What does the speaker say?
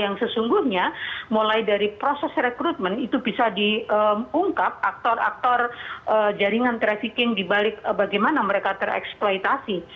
yang sesungguhnya mulai dari proses rekrutmen itu bisa diungkap aktor aktor jaringan trafficking dibalik bagaimana mereka tereksploitasi